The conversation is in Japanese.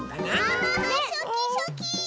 キャハハすきすき！